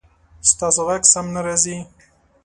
ستاسو غږ سم نه راځي